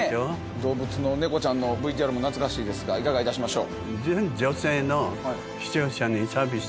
動物の猫ちゃんのＶＴＲも懐かしいですがいかがいたしましょう？